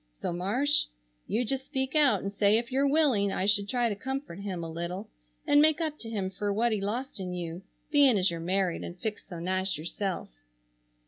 So Marsh, you just speak out and say if your willing I should try to comfort him a little and make up to him fer what he lost in you, being as you're married and fixed so nice yourself.